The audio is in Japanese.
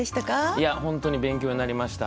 いや本当に勉強になりました。